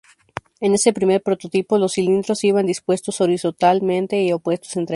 En este primer prototipo los cilindros iban dispuestos horizontalmente y opuestos entre si.